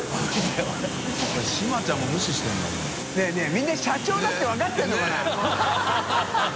みんな社長だって分かってるのかな？